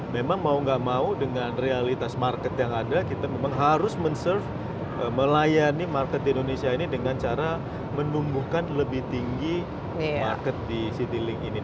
memang mau gak mau dengan realitas market yang ada kita memang harus men surve melayani market di indonesia ini dengan cara menumbuhkan lebih tinggi market di citylink ini